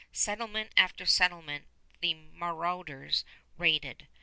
Settlement after settlement, the marauders raided.